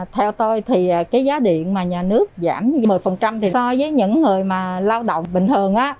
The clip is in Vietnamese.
theo tôi thì cái giá điện mà nhà nước giảm một mươi thì so với những người mà lao động bình thường á